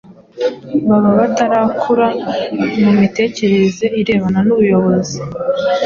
Baba batarakura mu mitekerereze irebana n’ubuyobozi